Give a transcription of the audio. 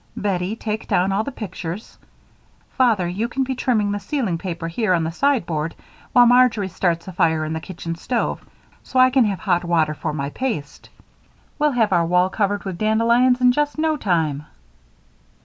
Bettie, take down all the pictures. Father, you can be trimming the ceiling paper here on the sideboard while Marjory starts a fire in the kitchen stove so I can have hot water for my paste. We'll have our wall covered with dandelions in just no time!"